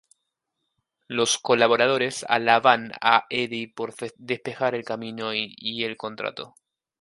Los colaboradores alaban a Eddie por despejar el camino y el contrato.